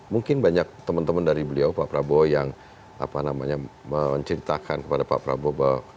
mungkin banyak teman teman dari beliau pak prabowo yang menceritakan kepada pak prabowo bahwa